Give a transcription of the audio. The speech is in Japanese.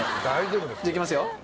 じゃあいきますよ